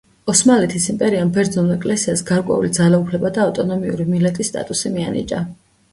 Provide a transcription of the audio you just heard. ოსმალეთის იმპერიამ ბერძნულ ეკლესიას გარკვეული ძალაუფლება და ავტონომიური მილეტის სტატუსი მიანიჭა.